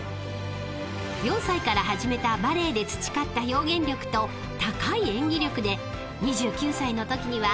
［４歳から始めたバレエで培った表現力と高い演技力で２９歳のときには］